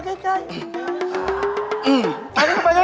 เข้ามาใกล้